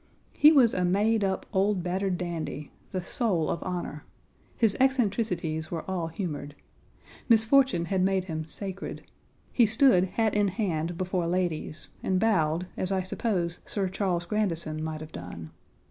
He was a made up old battered dandy, the soul of honor. His eccentricities were all humored. Misfortune had made him sacred. He stood hat in hand before ladies and bowed as I suppose Sir Charles Grandison might have done.